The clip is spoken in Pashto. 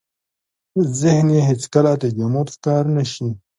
ذهن يې هېڅ کله د جمود ښکار نه شي.